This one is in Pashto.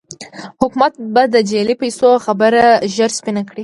حکومت به د جعلي پيسو خبره ژر سپينه کړي.